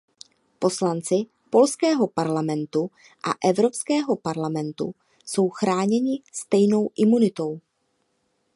Poslanci polského parlamentu a Evropského parlamentu jsou chráněni stejnou imunitou.